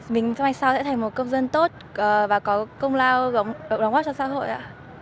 mình cho anh sau sẽ thành một công dân tốt và có công lao đóng góp cho xã hội ạ